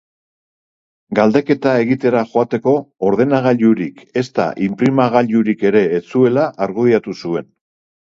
Galdeketa egitera joateko ordenagailurik ezta inprimagailurik ere ez zuela argudiatu zuen.